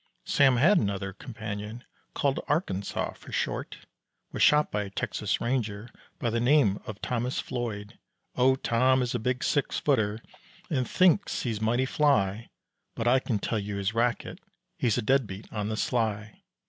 Sam had another companion, called Arkansas for short, Was shot by a Texas ranger by the name of Thomas Floyd; Oh, Tom is a big six footer and thinks he's mighty fly, But I can tell you his racket, he's a deadbeat on the sly.